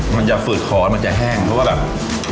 มันจะฝืดคอมันจะแห้งเพราะว่าแบบ